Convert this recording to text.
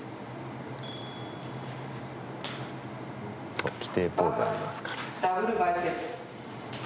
そう、規定ポーズありますから。